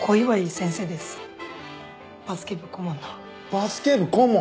バスケ部顧問！？